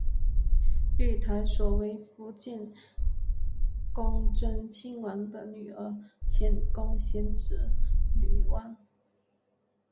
御台所为伏见宫贞清亲王的女儿浅宫显子女王。